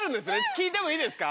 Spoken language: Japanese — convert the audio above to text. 聞いてもいいですか？